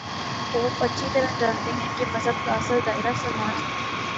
Pope اچھی طرح جانتے ہیں کہ مذہب کا اصل دائرہ سماج ہے۔